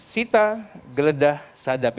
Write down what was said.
sita geledah sadat